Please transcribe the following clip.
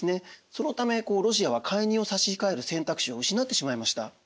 そのためロシアは介入を差し控える選択肢を失ってしまいました。